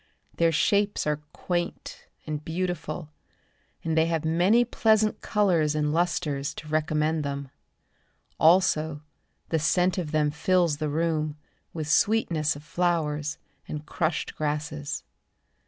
Their shapes are quaint and beautiful, And they have many pleasant colours and lustres To recommend them. Also the scent from them fills the room With sweetness of flowers and crushed grasses.